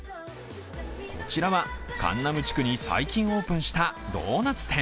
こちらは、カンナム地区に最近オープンしたドーナツ店。